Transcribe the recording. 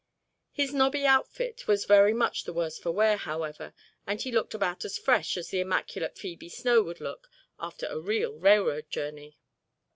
His nobby outfit was very much the worse for wear, however, and he looked about as fresh as the immaculate Phoebe Snow would look after a real railroad journey.